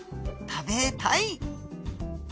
食べたい！